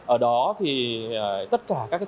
ở đó thì tất cả các cái